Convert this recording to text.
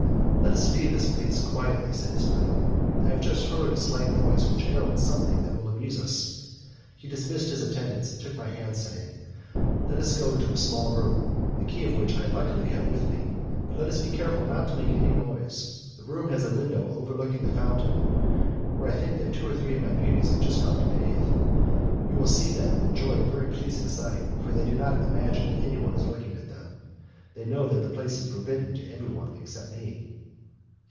"Let us leave this place quietly," said Ismail, "I have just heard a slight noise which heralds something that will amuse us." He dismissed his attendants, and took my hand, saying, "Let us go to a small room, the key of which I luckily have with me, but let us be careful not to make any noise. That room has a window overlooking the fountain where I think that two or three of my beauties have just gone to bathe. We will see them and enjoy a very pleasing sight, for they do not imagine that anyone is looking at them. They know that the place is forbidden to everybody except me."